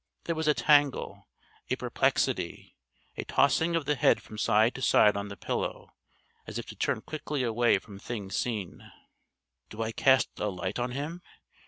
There was a tangle, a perplexity, a tossing of the head from side to side on the pillow as if to turn quickly away from things seen. "Do I cast a light on him?